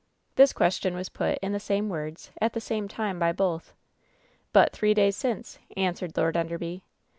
This question was put, in the same words, at tiie same time by both. "But three days since," answered Lord Enderby.